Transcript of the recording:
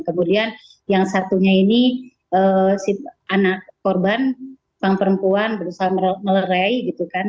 kemudian yang satunya ini si anak korban sang perempuan berusaha melerai gitu kan